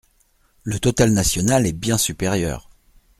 Le total national est bien supérieur.